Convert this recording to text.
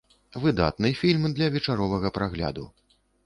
Выдатны фільм для вечаровага прагляду.